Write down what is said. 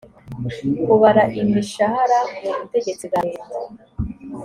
kubara imishahara mu butegetsi bwa leta